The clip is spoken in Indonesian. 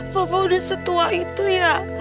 bapak udah setua itu ya